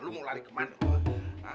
lo mau lari ke mana